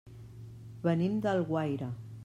Venim d'Alguaire.